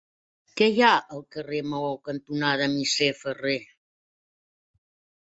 Què hi ha al carrer Maó cantonada Misser Ferrer?